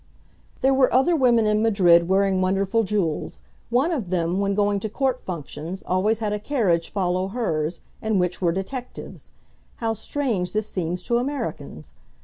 There were other women in Madrid wearing wonderful jewels, one of them when going to court functions always had a carriage follow hers, in which were detectives. How strange this seems to Americans!